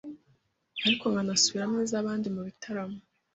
ariko nkanasubiramo iz’abandi mu bitaramo